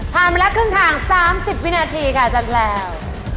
ผ่านไปแล้วครึ่งถังสามสิบวินาทีค่ะอาจารย์แพรว